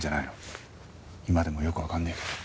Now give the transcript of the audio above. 今でもよくわかんねえけど。